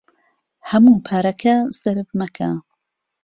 هەموو پارەکە سەرف مەکە.